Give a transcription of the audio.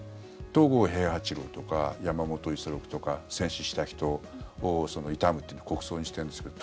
東郷平八郎とか山本五十六とか戦死した人を悼むというので国葬にしているんですけど。